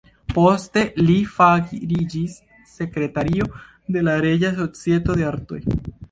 Poste li fariĝis sekretario de la Reĝa Societo de Artoj.